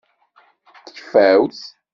D tifawt.